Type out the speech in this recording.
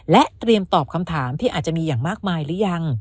เตรียมตอบคำถามที่อาจจะมีอย่างมากมายหรือยัง